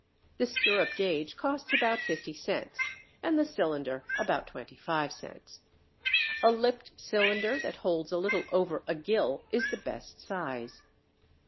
The sirup gauge costs about 50 cents and the cylinder about 25 cents. A lipped cylinder that holds a little over a gill is the best size.